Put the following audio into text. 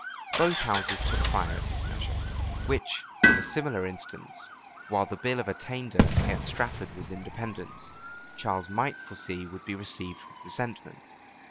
Both houses took fire at this measure, which, from a similar instance, while the bill of attainder against Strafford was in dependence, Charles might foresee would be received with resentment.